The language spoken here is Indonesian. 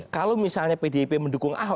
kalau misalnya pdip mendukung ahok